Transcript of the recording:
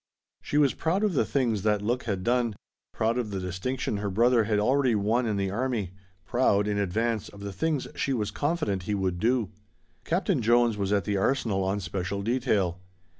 She was proud of the things that look had done, proud of the distinction her brother had already won in the army, proud, in advance, of the things she was confident he would do. Captain Jones was at the Arsenal on special detail.